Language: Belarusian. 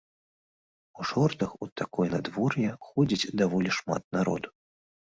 У шортах у такое надвор'е ходзяць даволі шмат народу.